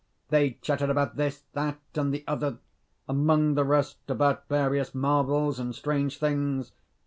They chattered about this, that, and the other among the rest about various marvels and strange things.